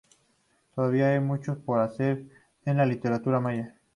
Todavía hay mucho por hacer en la literatura maya.